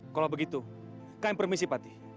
kalau begitu kami permisi pati